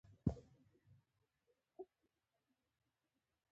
په وچ زور یې کښېنولو.